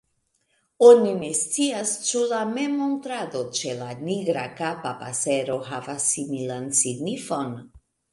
Oni ne scias ĉu la memmontrado ĉe la Nigrakapa pasero havas similan signifon.